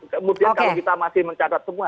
kemudian kalau kita masih mencatat semua